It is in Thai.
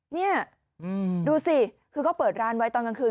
นี่ดูสิคือเขาเปิดร้านไว้ตอนกลางคืน